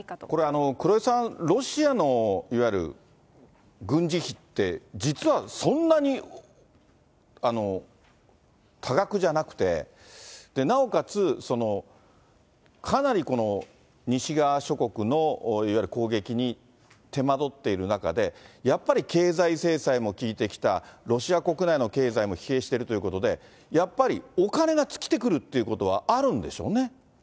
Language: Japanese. これ、黒井さん、ロシアのいわゆる軍事費って、実はそんなに多額じゃなくて、なおかつ、かなりこの西側諸国のいわゆる攻撃に手間取っている中で、やっぱり経済制裁も効いてきた、ロシア国内の経済も疲弊しているということで、やっぱりお金が尽きてくるっていうことはあるんでしょうね。